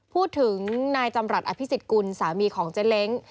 พูดถึงนายจำรัฐอภิษฎกุลสามีของเจ๊เล้ง